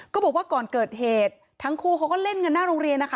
บอกว่าก่อนเกิดเหตุทั้งคู่เขาก็เล่นกันหน้าโรงเรียนนะคะ